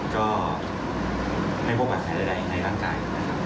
ก็ไม่มีปัญหาใดใดในร่างกาย